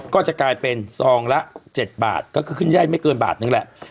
ก็จะกลายเป็นซองละ๗บาทก็คือขึ้นได้ไม่เกินบาทนึงแหละ